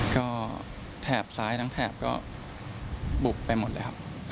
ก็แถบซ้ายทั้งแถบก็บุกไปหมดเลยครับ